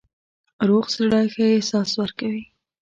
روغ زړه ښه احساس ورکوي.